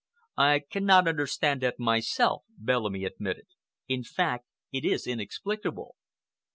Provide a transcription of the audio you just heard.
"I cannot understand that myself," Bellamy admitted. "In fact, it is inexplicable."